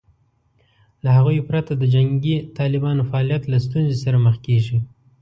له هغوی پرته د جنګي طالبانو فعالیت له ستونزې سره مخ کېږي